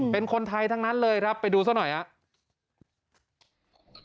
เป็นคนไทยทั้งนั้นเลยครับไปดูซะหน่อยครับ